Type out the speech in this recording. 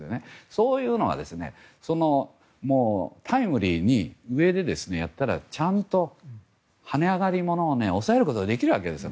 そういうのはタイムリーに上でやったらちゃんと跳ね上がりものを抑えることはできるわけです。